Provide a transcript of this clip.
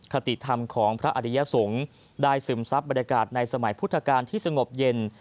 คติธรรมของพระอริยสงฆ์ได้ซึมซับบรรยากาศในสมัยพุทธกาลที่สงบเย็น